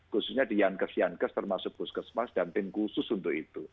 khususnya di yankes yankes termasuk puskesmas dan tim khusus untuk itu